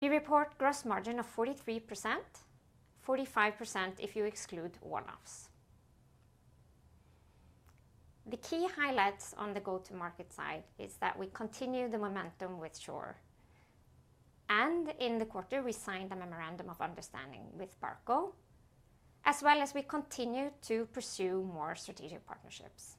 We report a gross margin of 43%, 45% if you exclude one-offs. The key highlights on the go-to-market side is that we continue the momentum with Shure. In the quarter, we signed a memorandum of understanding with Barco, as well as we continue to pursue more strategic partnerships.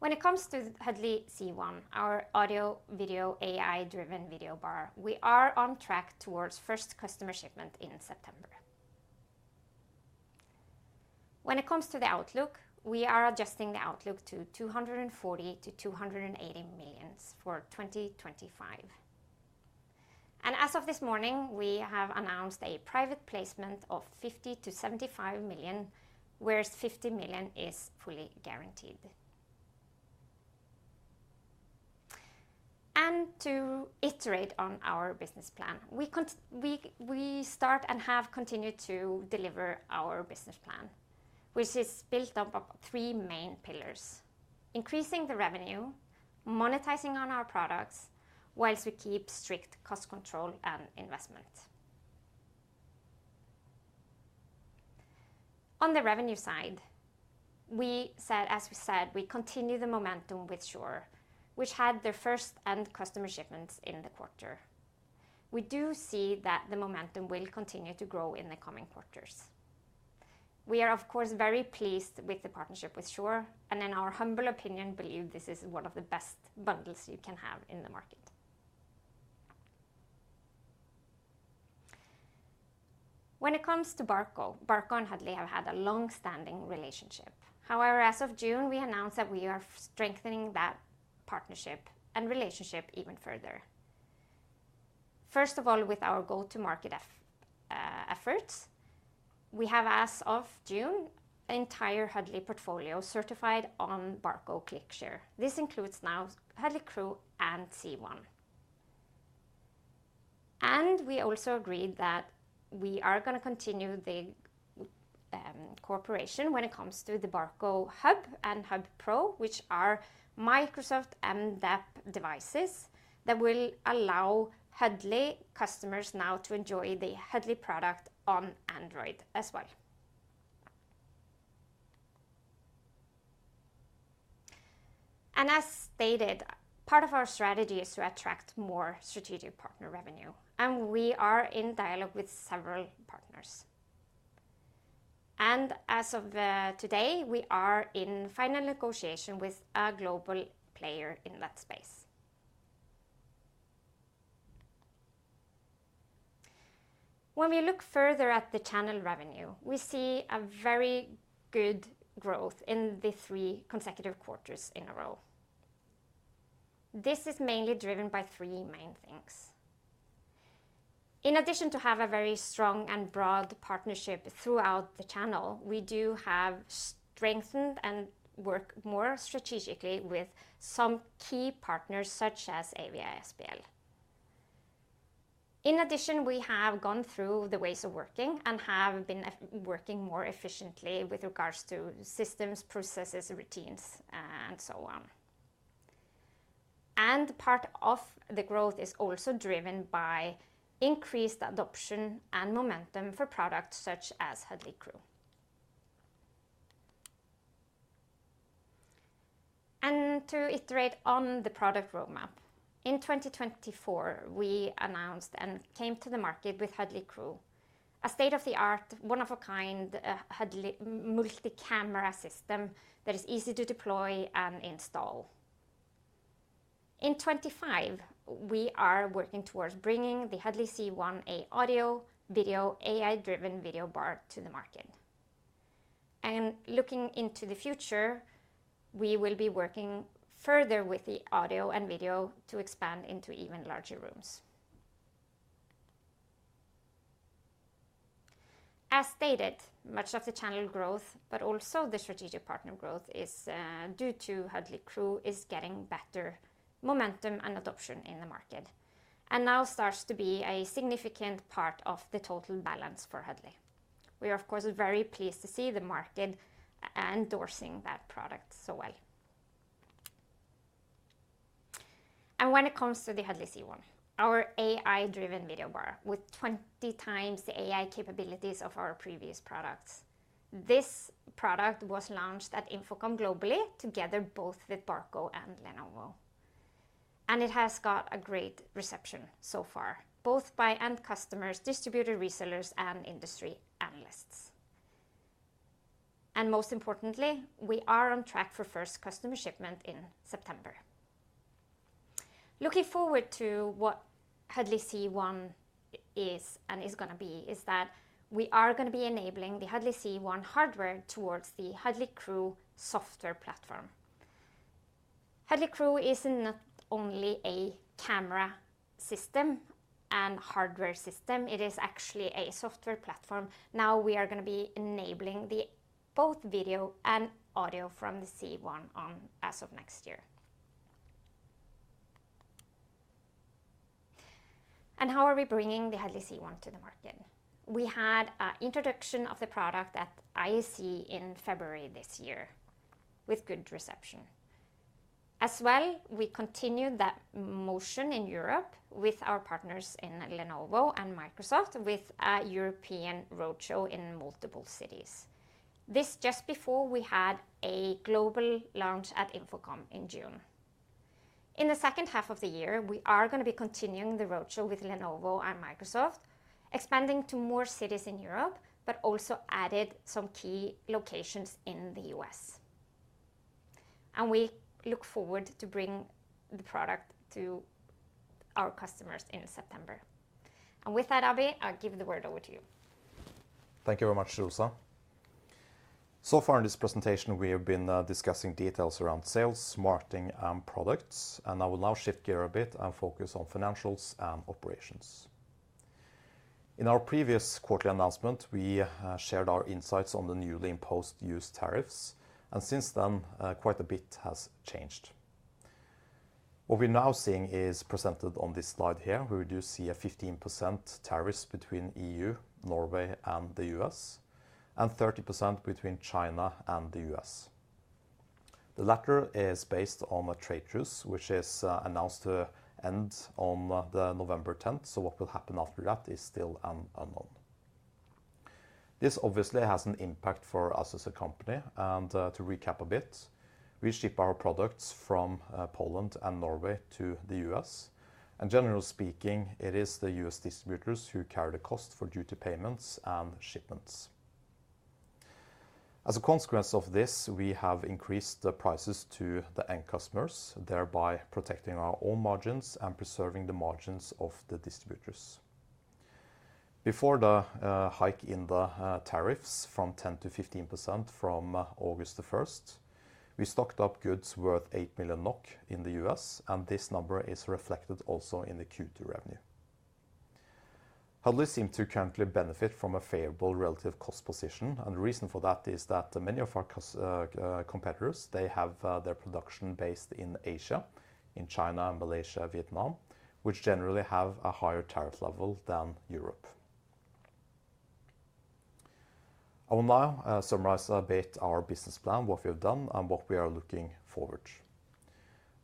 When it comes to the Huddly C1, our audio-video AI-driven video bar, we are on track towards first customer shipment in September. When it comes to the outlook, we are adjusting the outlook to SOK 240-280 million for 2025. As of this morning, we have announced a private placement of SOK 50-75 million, whereas SOK 50 million is fully guaranteed. To iterate on our business plan, we start and have continued to deliver our business plan, which is built up of three main pillars: increasing the revenue, monetizing on our products, whilst we keep strict cost control and investment. On the revenue side, as we said, we continue the momentum with Shure, which had their first end-customer shipments in the quarter. We do see that the momentum will continue to grow in the coming quarters. We are, of course, very pleased with the partnership with Shure, and in our humble opinion, believe this is one of the best bundles you can have in the market. When it comes to Barco, Barco and Huddly have had a long-standing relationship. However, as of June, we announced that we are strengthening that partnership and relationship even further. First of all, with our go-to-market efforts, we have, as of June, the entire Huddly portfolio certified on Barco ClickShare. This includes now Huddly Crew and C1. We also agreed that we are going to continue the cooperation when it comes to the Barco Hub and Hub Pro, which are Microsoft and DAP devices that will allow Huddly customers now to enjoy the Huddly product on Android as well. As stated, part of our strategy is to attract more strategic partner revenue, and we are in dialogue with several partners. As of today, we are in final negotiation with a global player in that space. When we look further at the channel revenue, we see a very good growth in the three consecutive quarters in a row. This is mainly driven by three main things. In addition to having a very strong and broad partnership throughout the channel, we have strengthened and worked more strategically with some key partners such as AVI-SPL. In addition, we have gone through the ways of working and have been working more efficiently with regards to systems, processes, routines, and so on. Part of the growth is also driven by increased adoption and momentum for products such as Huddly Crew. To iterate on the product roadmap, in 2024, we announced and came to the market with Huddly Crew, a state-of-the-art, one-of-a-kind Huddly multi-camera system that is easy to deploy and install. In 2025, we are working towards bringing the Huddly C1, an audio-video AI-driven video bar, to the market. Looking into the future, we will be working further with the audio and video to expand into even larger rooms. As stated, much of the channel growth, but also the strategic partner growth, is due to Huddly Crew getting better momentum and adoption in the market and now starts to be a significant part of the total balance for Huddly. We are, of course, very pleased to see the market endorsing that product so well. When it comes to the Huddly C1, our AI-driven video bar with 20 times the AI capabilities of our previous products, this product was launched at Infocom globally together with both Barco and Lenovo. It has got a great reception so far, both by end customers, distributor resellers, and industry analysts. Most importantly, we are on track for first customer shipment in September. Looking forward to what Huddly C1 is and is going to be, we are going to be enabling the Huddly C1 hardware towards the Huddly Crew software platform. Huddly Crew is not only a camera system and hardware system, it is actually a software platform. Now we are going to be enabling both video and audio from the C1 as of next year. How are we bringing the Huddly C1 to the market? We had an introduction of the product at ISE in February this year with good reception. We continued that motion in Europe with our partners in Lenovo and Microsoft with a European roadshow in multiple cities. This is just before we had a global launch at Infocom in June. In the second half of the year, we are going to be continuing the roadshow with Lenovo and Microsoft, expanding to more cities in Europe, but also added some key locations in the U.S. We look forward to bringing the product to our customers in September. With that, Abhi, I'll give the word over to you. Thank you very much, Rosa. So far in this presentation, we have been discussing details around sales, marketing, and products. I will now shift gears a bit and focus on financials and operations. In our previous quarterly announcement, we shared our insights on the newly imposed U.S. tariffs. Since then, quite a bit has changed. What we're now seeing is presented on this slide here. We do see a 15% tariff between the EU, Norway, and the U.S., and 30% between China and the U.S. The latter is based on a trade truce, which is announced to end on November 10. What will happen after that is still an unknown. This obviously has an impact for us as a company. To recap a bit, we ship our products from Poland and Norway to the U.S., and generally speaking, it is the U.S. distributors who carry the cost for duty payments and shipments. As a consequence of this, we have increased the prices to the end customers, thereby protecting our own margins and preserving the margins of the distributors. Before the hike in the tariffs from 10%-15% from August 1, we stocked up goods worth 8 billion NOK in the U.S. This number is reflected also in the Q2 revenue. Huddly seems to currently benefit from a favorable relative cost position. The reason for that is that many of our competitors have their production based in Asia, in China, Malaysia, and Vietnam, which generally have a higher tariff level than Europe. I will now summarize a bit our business plan, what we have done, and what we are looking forward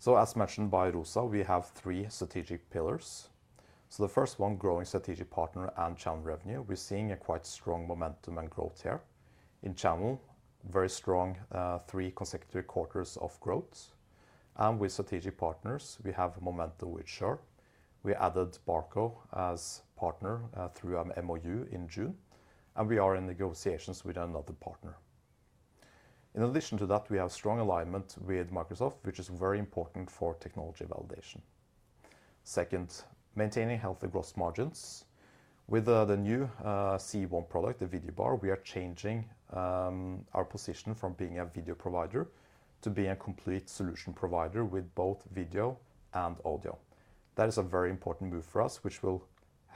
to. As mentioned by Rosa, we have three strategic pillars. The first one, growing strategic partner and channel revenue, we're seeing a quite strong momentum and growth here. In channel, very strong three consecutive quarters of growth. With strategic partners, we have momentum with Shure. We added Barco as partner through a memorandum of understanding in June, and we are in negotiations with another partner. In addition to that, we have strong alignment with Microsoft, which is very important for technology validation. Second, maintaining healthy gross margins. With the new Huddly C1 product, the video bar, we are changing our position from being a video provider to being a complete solution provider with both video and audio. That is a very important move for us, which will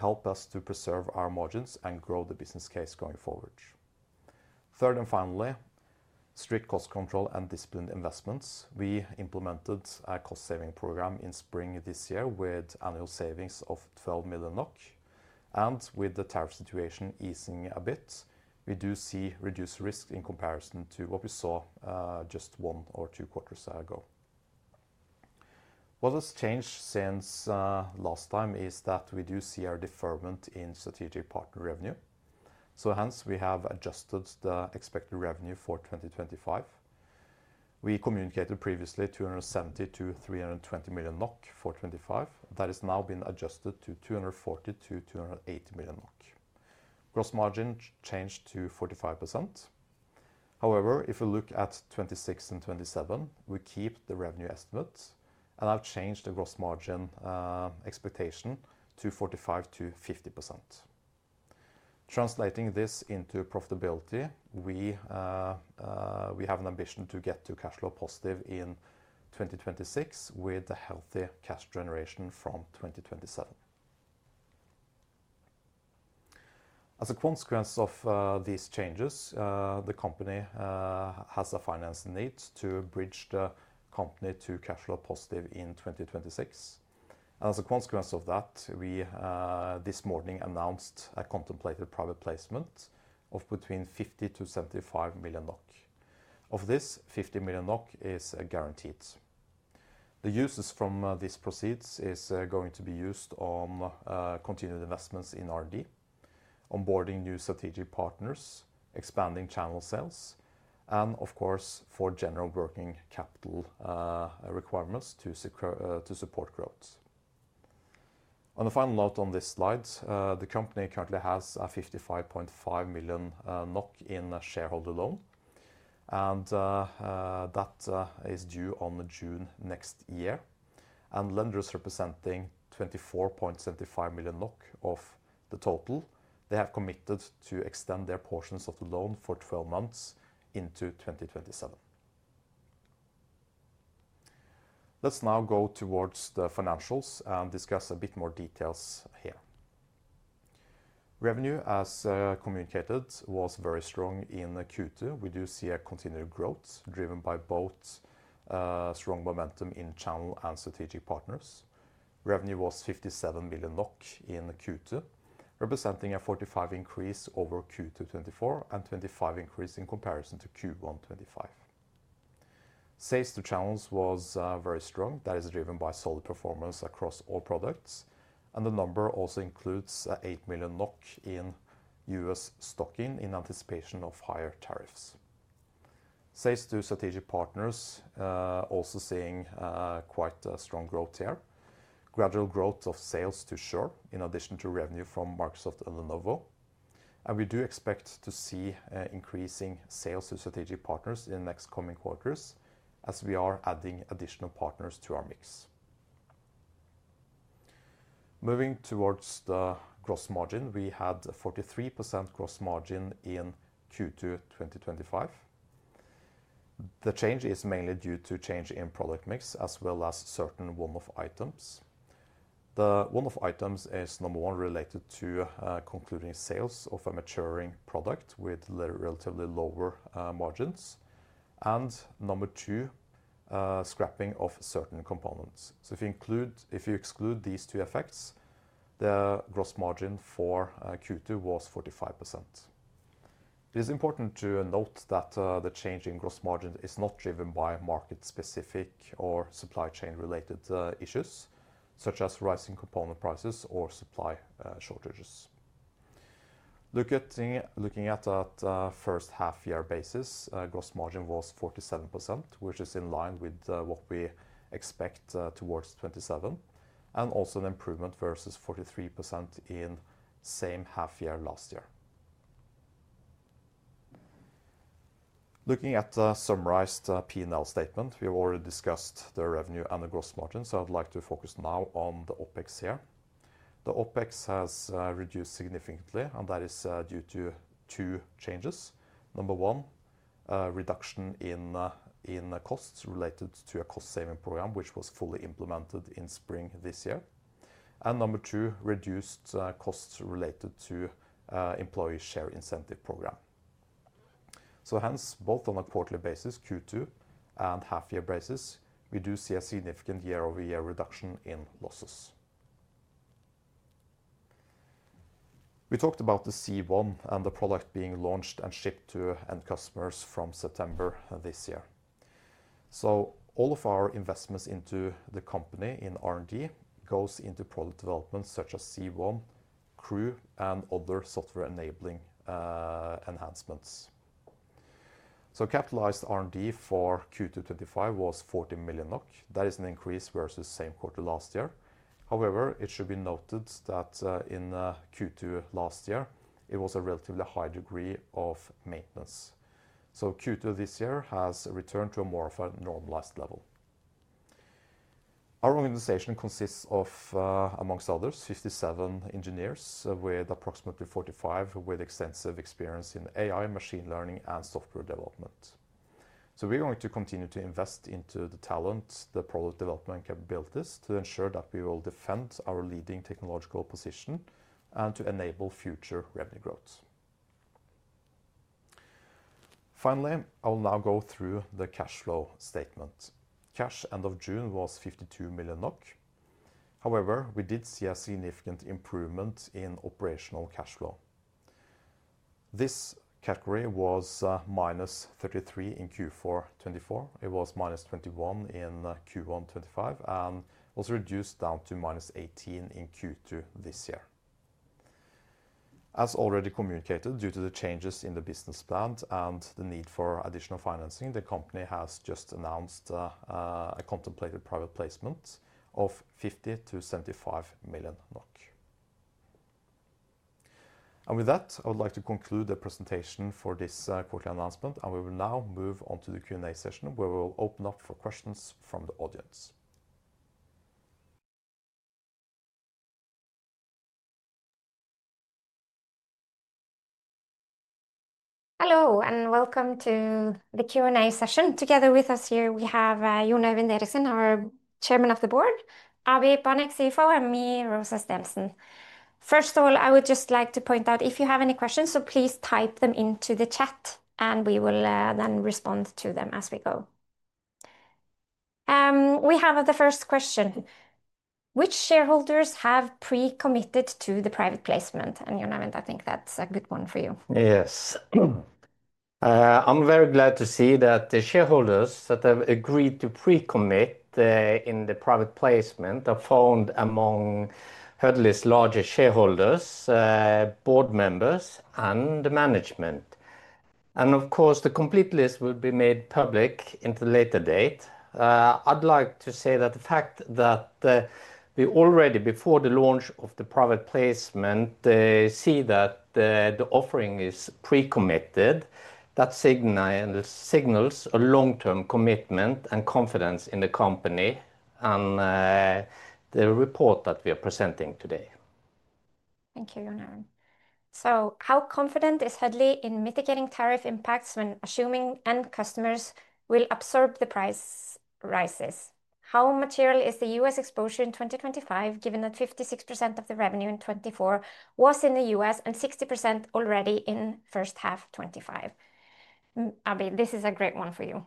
help us to preserve our margins and grow the business case going forward. Third and finally, strict cost control and disciplined investments. We implemented a cost-saving program in spring this year with annual savings of 12 million NOK. With the tariff situation easing a bit, we do see reduced risk in comparison to what we saw just one or two quarters ago. What has changed since last time is that we do see a deferment in strategic partner revenue. Hence, we have adjusted the expected revenue for 2025. We communicated previously 270-320 million NOK for 2025. That has now been adjusted to 240-208 million NOK. Gross margin changed to 45%. However, if we look at 2026 and 2027, we keep the revenue estimates and have changed the gross margin expectation to 45%-50%. Translating this into profitability, we have an ambition to get to cash flow positive in 2026 with a healthy cash generation from 2027. As a consequence of these changes, the company has a finance need to bridge the company to cash flow positive in 2026. As a consequence of that, we this morning announced a contemplated private placement of between 50-75 million NOK. Of this, 50 million NOK is guaranteed. The uses from these proceeds are going to be used on continued investments in R&D, onboarding new strategic partners, expanding channel sales, and of course, for general working capital requirements to support growth. On the final note on this slide, the company currently has 55.5 million NOK in a shareholder loan. That is due on June next year. Lenders representing 24.75 million NOK of the total have committed to extend their portions of the loan for 12 months into 2027. Let's now go towards the financials and discuss a bit more details here. Revenue, as communicated, was very strong in Q2. We do see a continued growth driven by both strong momentum in channel and strategic partners. Revenue was 57 million NOK in Q2, representing a 45% increase over Q2 2024 and 25% increase in comparison to Q1 2025. Sales to channels was very strong. That is driven by solid performance across all products. The number also includes 8 million NOK in U.S. stocking in anticipation of higher tariffs. Sales to strategic partners also seeing quite a strong growth here. Gradual growth of sales to Shure in addition to revenue from Microsoft and Lenovo. We do expect to see increasing sales to strategic partners in the next coming quarters as we are adding additional partners to our mix. Moving towards the gross margin, we had a 43% gross margin in Q2 2025. The change is mainly due to a change in product mix as well as certain one-off items. The one-off items are, number one, related to concluding sales of a maturing product with relatively lower margins, and, number two, scrapping of certain components. If you exclude these two effects, the gross margin for Q2 was 45%. It is important to note that the change in gross margin is not driven by market-specific or supply chain-related issues, such as rising component prices or supply shortages. Looking at that first half-year basis, gross margin was 47%, which is in line with what we expect towards 2027, and also an improvement versus 43% in the same half-year last year. Looking at the summarized P&L statement, we have already discussed the revenue and the gross margin. I'd like to focus now on the OpEx here. The OpEx has reduced significantly, and that is due to two changes. Number one, a reduction in costs related to a cost-saving program, which was fully implemented in spring this year, and, number two, reduced costs related to the employee share incentive program. Hence, both on a quarterly basis, Q2, and half-year basis, we do see a significant year-over-year reduction in losses. We talked about the Huddly C1 and the product being launched and shipped to end customers from September this year. All of our investments into the company in R&D go into product development, such as Huddly C1, Huddly Crew, and other software-enabling enhancements. Capitalized R&D for Q2 2025 was 40 million NOK. That is an increase versus the same quarter last year. However, it should be noted that in Q2 last year, it was a relatively high degree of maintenance. Q2 this year has returned to more of a normalized level. Our organization consists of, amongst others, 57 engineers with approximately 45 with extensive experience in AI, machine learning, and software development. We're going to continue to invest into the talent, the product development capabilities to ensure that we will defend our leading technological position and to enable future revenue growth. Finally, I will now go through the cash flow statement. Cash end of June was 52 million NOK. However, we did see a significant improvement in operational cash flow. This category was minus 33 million in Q4 2024. It was minus 21 million in Q1 2025 and was reduced down to minus 18 million in Q2 this year. As already communicated, due to the changes in the business plan and the need for additional financing, the company has just announced a contemplated private placement of NOK 50-75 million. I would like to conclude the presentation for this quarterly announcement. We will now move on to the Q&A session, where we will open up for questions from the audience. Hello and welcome to the Q&A session. Together with us here, we have Jon Øyvind Eriksen, our Chairman of the Board, Abhijit Saha Banik, CFO, and me, Rosa Stensen. First of all, I would just like to point out if you have any questions, please type them into the chat, and we will then respond to them as we go. We have the first question. Which shareholders have pre-committed to the private placement? Jon Øyvind, I think that's a good one for you. Yes. I'm very glad to see that the shareholders that have agreed to pre-commit in the private placement are found among Huddly's larger shareholders, Board members, and the management. Of course, the complete list will be made public at a later date. I'd like to say that the fact that we already, before the launch of the private placement, see that the offering is pre-committed signals a long-term commitment and confidence in the company and the report that we are presenting today. Thank you, Jon Øyvind. How confident is Huddly in mitigating tariff impacts when assuming end customers will absorb the price rises? How material is the U.S. exposure in 2025, given that 56% of the revenue in 2024 was in the U.S. and 60% already in the first half of 2025? Abhijit, this is a great one for you.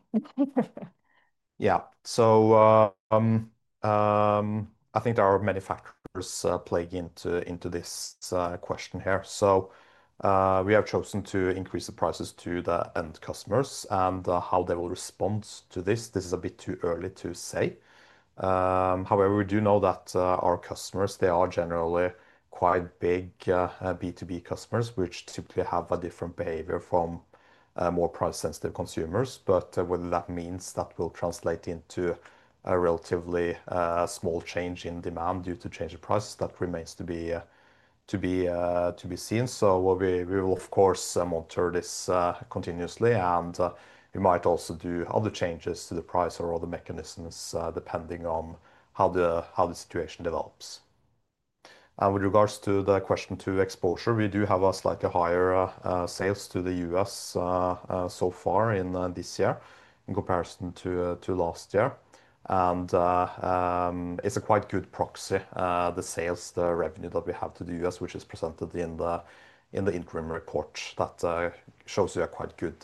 I think there are many factors playing into this question here. We have chosen to increase the prices to the end customers and how they will respond to this is a bit too early to say. However, we do know that our customers are generally quite big B2B customers, which typically have a different behavior from more price-sensitive consumers. What that means is that will translate into a relatively small change in demand due to change of price. That remains to be seen. We will, of course, monitor this continuously. We might also do other changes to the price or other mechanisms depending on how the situation develops. With regards to the question to exposure, we do have a slightly higher sales to the U.S. so far in this year in comparison to last year. It's a quite good proxy, the sales, the revenue that we have to the U.S., which is presented in the interim report that shows you a quite good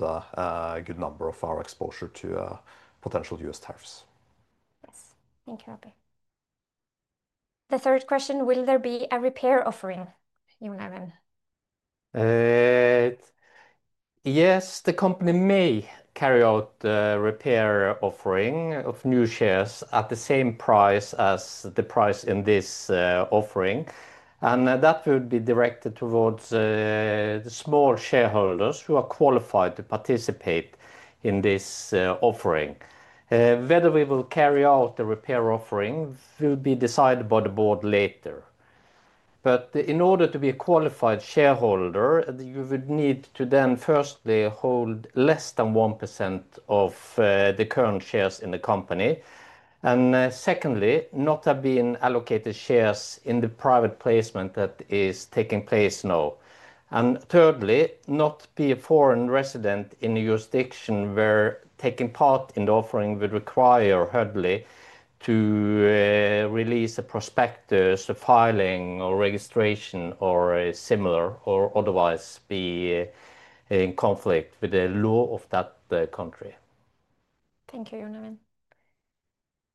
number of our exposure to potential U.S. tariffs. Thanks. Thank you, Abhijit. The third question, will there be a repair offering, Jon Øyvind? Yes, the company may carry out a repair offering of new shares at the same price as the price in this offering. That would be directed towards the small shareholders who are qualified to participate in this offering. Whether we will carry out the repair offering will be decided by the board later. In order to be a qualified shareholder, you would need to then firstly hold less than 1% of the current shares in the company. Secondly, not have been allocated shares in the private placement that is taking place now. Thirdly, not be a foreign resident in a jurisdiction where taking part in the offering would require Huddly to release a prospectus of filing or registration or similar or otherwise be in conflict with the law of that country. Thank you, Jon Øyvind.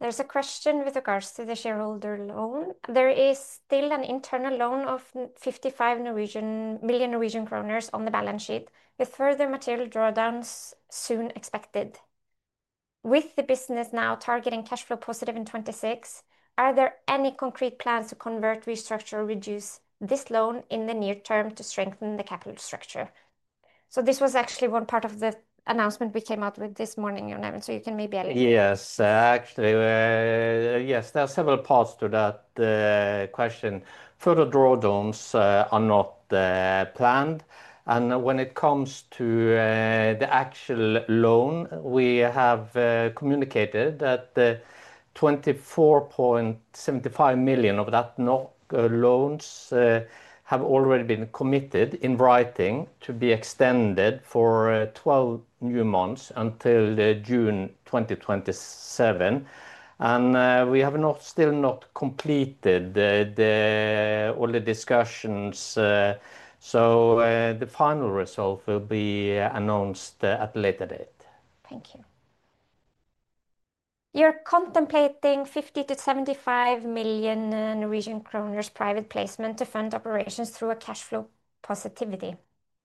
There's a question with regards to the shareholder loan. There is still an internal loan of 55 million Norwegian kroner on the balance sheet, with further material drawdowns soon expected. With the business now targeting cash flow positive in 2026, are there any concrete plans to convert, restructure, or reduce this loan in the near term to strengthen the capital structure? This was actually one part of the announcement we came out with this morning, Jon Øyvind, so you can maybe elaborate. Yes, actually, yes, there are several parts to that question. Further drawdowns are not planned. When it comes to the actual loan, we have communicated that 24.75 million of that loan has already been committed in writing to be extended for 12 new months until June 2027. We have still not completed all the discussions. The final result will be announced at a later date. Thank you. You're contemplating 50-75 million Norwegian kroner private placement to fund operations through a cash flow positivity.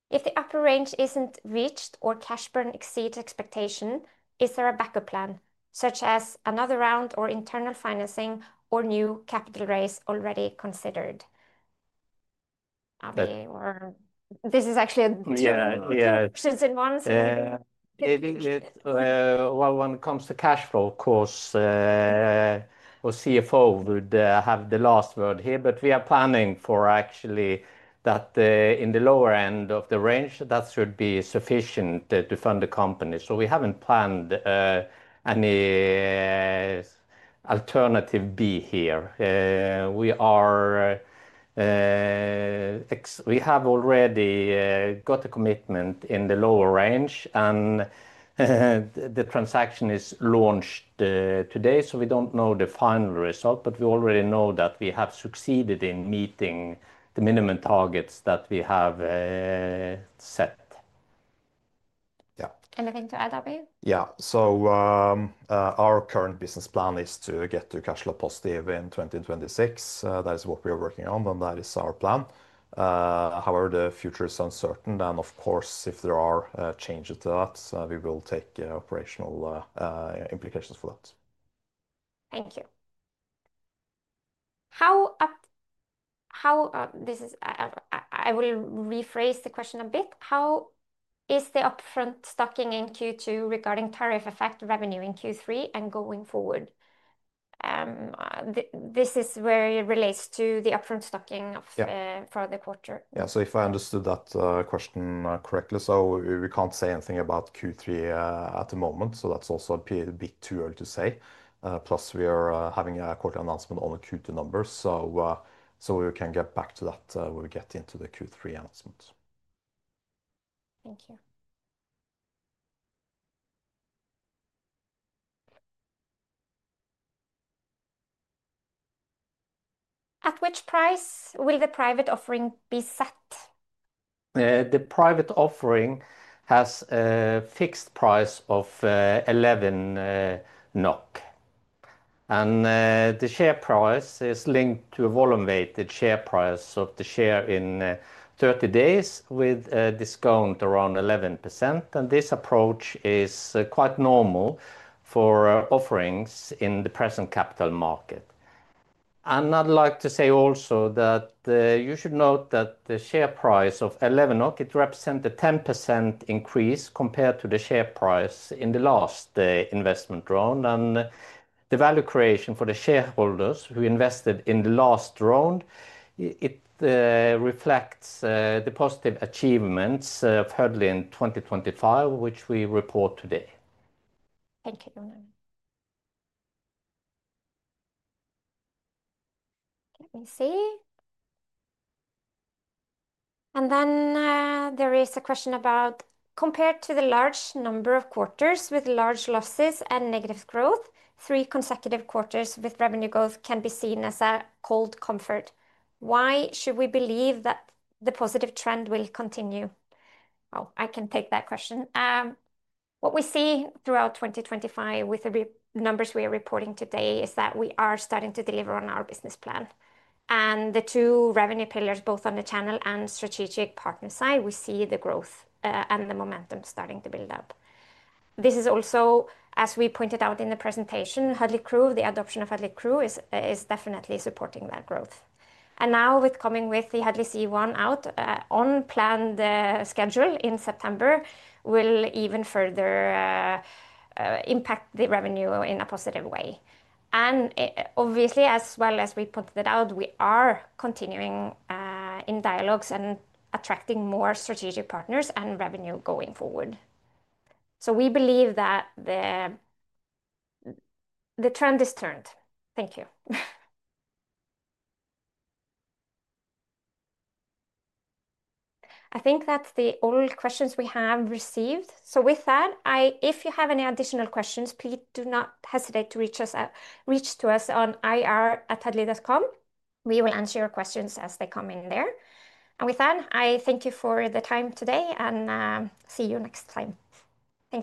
If the upper range isn't reached or cash burn exceeds expectation, is there a backup plan, such as another round or internal financing or new capital raise already considered? Abhijit, this is actually two options in one. Yeah, yeah. When it comes to cash flow, of course, the CFO would have the last word here. We are planning for actually that in the lower end of the range, that should be sufficient to fund the company. We haven't planned any alternative B here. We have already got a commitment in the lower range, and the transaction is launched today. We don't know the final result, but we already know that we have succeeded in meeting the minimum targets that we have set. Anything to add, Abhijit Saha Banik? Our current business plan is to get to cash flow positive in 2026. That is what we are working on, and that is our plan. However, the future is uncertain. Of course, if there are changes to that, we will take operational implications for that. Thank you. I will rephrase the question a bit. How is the upfront stocking in Q2 regarding tariff-affected revenue in Q3 and going forward? This is where it relates to the upfront stocking for the quarter. Yeah, if I understood that question correctly, we can't say anything about Q3 at the moment. That's also a bit too early to say. Plus, we are having a quarterly announcement on the Q2 numbers, so we can get back to that when we get into the Q3 announcement. Thank you. At which price will the private offering be set? The private offering has a fixed price of 11 NOK. The share price is linked to a volume-weighted share price of the share in 30 days with a discount around 11%. This approach is quite normal for offerings in the present capital market. You should note that the share price of 11 represents a 10% increase compared to the share price in the last investment round. The value creation for the shareholders who invested in the last round reflects the positive achievements of Huddly in 2025, which we report today. Thank you, Jon Øyvind. Let me see. There is a question about, compared to the large number of quarters with large losses and negative growth, three consecutive quarters with revenue growth can be seen as a cold comfort. Why should we believe that the positive trend will continue? Oh, I can take that question. What we see throughout 2025 with the numbers we are reporting today is that we are starting to deliver on our business plan. The two revenue pillars, both on the channel and strategic partner side, we see the growth and the momentum starting to build up. This is also, as we pointed out in the presentation, Huddly Crew, the adoption of Huddly Crew is definitely supporting that growth. Now, with coming with the Huddly C1 out on planned schedule in September, it will even further impact the revenue in a positive way. Obviously, as well as we pointed out, we are continuing in dialogues and attracting more strategic partners and revenue going forward. We believe that the trend is turned. Thank you. I think that's all questions we have received. If you have any additional questions, please do not hesitate to reach us on ir@huddly.com. We will answer your questions as they come in there. I thank you for the time today and see you next time. Thanks.